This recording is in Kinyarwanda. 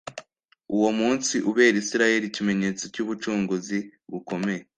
uwo munsi ubera israheli ikimenyetso cy'ubucunguzi bukomeye